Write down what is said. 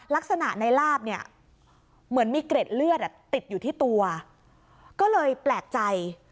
ลักษณะในลาบเนี่ยเหมือนมีเกร็ดเลือดติดอยู่ที่ตัวก็เลยแปลกใจ